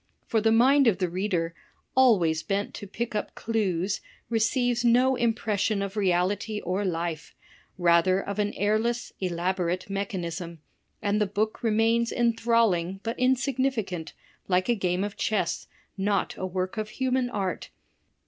For the mind of the reader, always bent to pick up clews, receives no impression of reality or life, rather of an airless, elaborate mechanism; and the book remains enthralling, but insignificant, like a game of chess, not a work of human art.